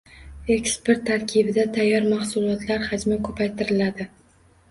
Eksport tarkibida tayyor mahsulotlar hajmi ko‘paytiriladi.